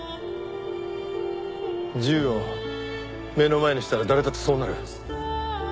銃を目の前にしたら誰だってそうなる。